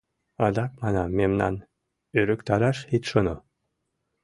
Адак, манам, мемнам ӧрыктараш ит шоно.